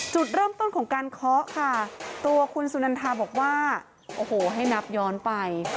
จุดเริ่มต้นของการเคาะค่ะตัวคุณสุนันทาบอกว่าโอ้โหให้นับย้อนไป